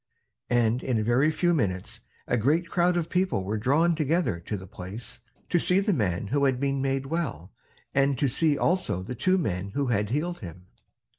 And in a very few minutes a great crowd of people were drawn together to the place to see the man who had been made well, and to see also the two men who had healed him.